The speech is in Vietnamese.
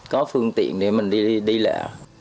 có phương tiện để mình đi lạ